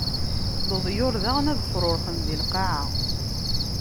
Leḍyur daɣen ad fṛuṛxen di lqaɛa.